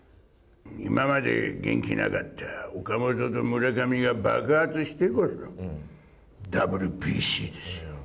今まで元気なかった岡本と村上が爆発してこそ、ＷＢＣですよ。